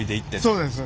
そうです。